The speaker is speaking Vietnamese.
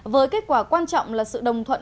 với kết quả quan trọng là sự đồng thuận